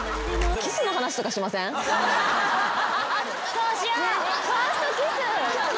そうしよう。